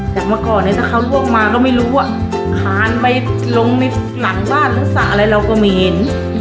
เมื่อก่อนเนี่ยถ้าเขาล่วงมาก็ไม่รู้ว่าคานไปลงในหลังบ้านหรือสระอะไรเราก็ไม่เห็น